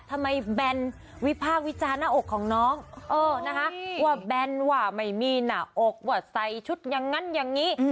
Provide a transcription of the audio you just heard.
แบนวิพากษ์วิจารณ์หน้าอกของน้องเออนะคะว่าแบนว่าไม่มีหน้าอกว่าใส่ชุดอย่างนั้นอย่างนี้